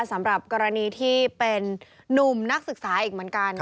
สำหรับกรณีที่เป็นนุ่มนักศึกษาอีกเหมือนกัน